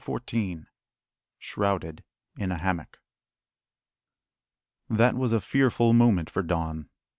CHAPTER XIV. SHROUDED IN A HAMMOCK. That was a fearful moment for Don.